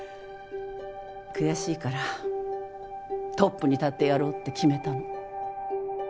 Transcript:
悔しいからトップに立ってやろうって決めたの。